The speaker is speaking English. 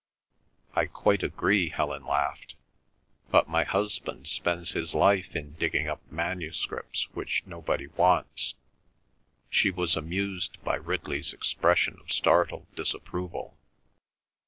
"I quite agree," Helen laughed. "But my husband spends his life in digging up manuscripts which nobody wants." She was amused by Ridley's expression of startled disapproval.